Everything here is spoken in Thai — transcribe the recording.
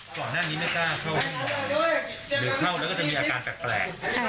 ก่อนหน้านี้ไม่กล้าเข้าหรือเข้าแล้วก็จะมีอาการแปลก